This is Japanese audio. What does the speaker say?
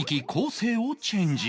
生をチェンジ